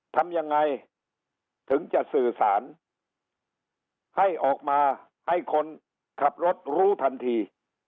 ทำยังไงถึงจะสื่อสารให้ออกมาให้คนขับรถรู้ทันที